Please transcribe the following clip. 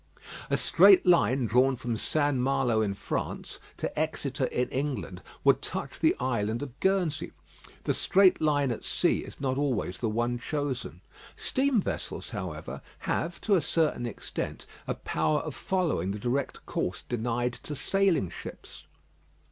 A straight line drawn from St. Malo in France to Exeter in England would touch the island of Guernsey. The straight line at sea is not always the one chosen. Steam vessels, however, have, to a certain extent, a power of following the direct course denied to sailing ships.